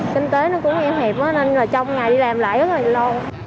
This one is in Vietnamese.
kinh tế nó cũng em hiệp nên là trong ngày đi làm lại rất là lo